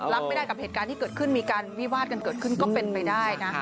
รับไม่ได้กับเหตุการณ์ที่เกิดขึ้นมีการวิวาดกันเกิดขึ้นก็เป็นไปได้นะ